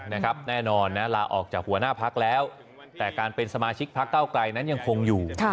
แน่นอนนะลาออกจากหัวหน้าพักแล้วแต่การเป็นสมาชิกพักเก้าไกลนั้นยังคงอยู่